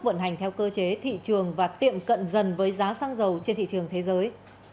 vận hành theo cơ chế thị trường và tiệm cận dần với giá xăng dầu trên thị trường thế giới